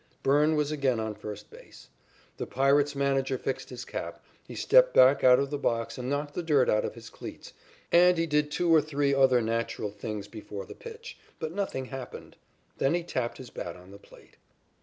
Byrne was again on first base. The Pirates' manager fixed his cap, he stepped back out of the box and knocked the dirt out of his cleats, and he did two or three other natural things before the pitch, but nothing happened. Then he tapped his bat on the plate.